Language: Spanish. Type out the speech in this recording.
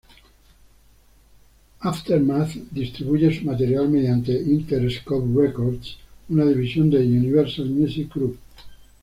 Aftermath distribuye su material mediante Interscope Records, una división de Universal Music Group.